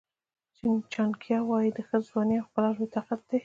چناکیا وایي د ښځې ځواني او ښکلا لوی طاقت دی.